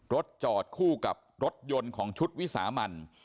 รถจอดคู่กับรถยนต์ของชุดวิสามัน